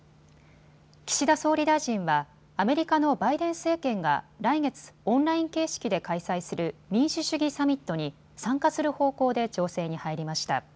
岸田総理大臣はアメリカのバイデン政権が来月、オンライン形式で開催する民主主義サミットに参加する方向で調整に入りました。